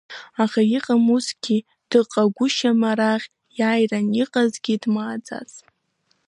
Аха иҟам усгьы дыҟагәышьам, арахь иааиран иҟазгьы дмааӡац.